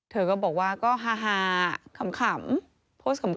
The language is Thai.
เธอก็บอกว่าก็ฮาขำโพสต์ขำ